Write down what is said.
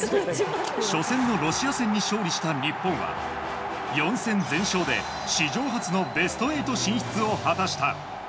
初戦のロシア戦に勝利した日本は４戦全勝で史上初のベスト８進出を果たした。